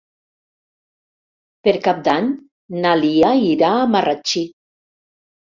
Per Cap d'Any na Lia irà a Marratxí.